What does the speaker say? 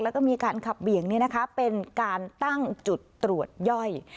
แล้วก็มีการขับเบี่ยงเป็นการตั้งจุดตรวจย่อย